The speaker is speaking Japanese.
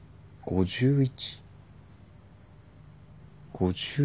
５１？